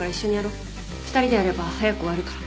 ２人でやれば早く終わるから。